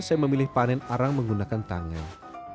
saya memilih panen arang menggunakan tangan